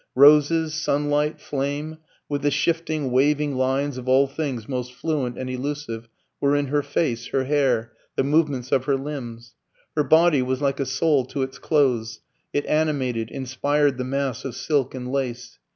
Roses, sunlight, flame, with the shifting, waving lines of all things most fluent and elusive, were in her face, her hair, the movements of her limbs. Her body was like a soul to its clothes; it animated, inspired the mass of silk and lace.